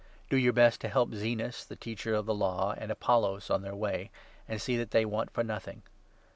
Do 13 your best to help Zenas, the Teacher of the Law, and Apollos, on their way, and see that they want for nothing.